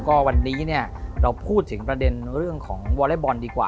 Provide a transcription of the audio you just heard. ก็วันนี้เนี่ยเราพูดถึงประเด็นเรื่องของวอเล็กบอลดีกว่า